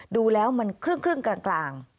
ดูแล้วมันครึ่งกลาง